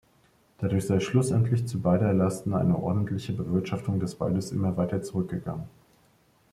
Dadurch sei schlussendlich zu beider Lasten eine ordentliche Bewirtschaftung des Waldes immer weiter zurückgegangen.